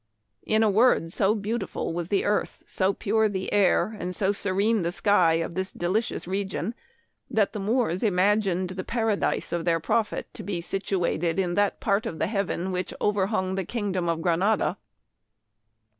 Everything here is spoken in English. In a word so beautiful was the earth, so pure the air, and so serene the sky of this delicious region, that the Moors im agined the paradise of their prophet to be situa ted in that part of the heaven which overhung the kingdom of Granada.